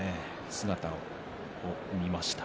姿を見ました。